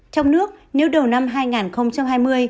trong nước nếu đầu năm hai nghìn hai mươi